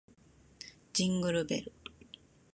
ジングルベル